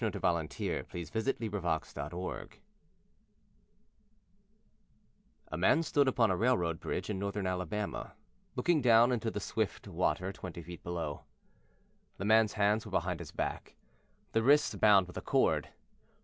he said. AN OCCURRENCE AT OWL CREEK BRIDGE I A man stood upon a railroad bridge in northern Alabama, looking down into the swift water twenty feet below. The man's hands were behind his back, the wrists bound with a cord.